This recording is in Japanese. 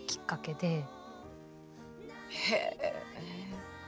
へえ。